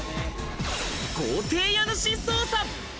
豪邸家主捜査！